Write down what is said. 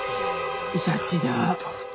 イタチだ。